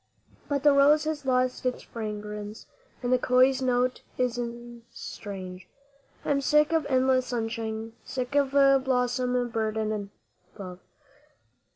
But the rose has lost its fragrance, and the köil's note is strange; I am sick of endless sunshine, sick of blossom burdened bough.